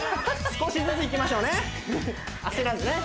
少しずついきましょうね焦らずね